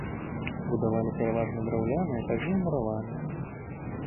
Будавалі пераважна драўляныя, пазней мураваныя.